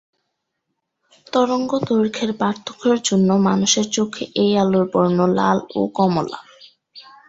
তরঙ্গদৈর্ঘ্যের পার্থক্যের জন্য মানুষের চোখে এই আলোর বর্ণ লাল ও কমলা।